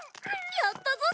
やったぞ！